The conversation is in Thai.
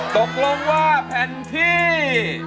ตกลงว่าแผ่นที่